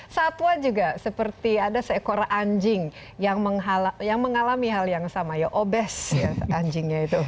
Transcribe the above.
satwa juga seperti ada seekor anjing yang mengalami hal yang sama ya obes anjingnya itu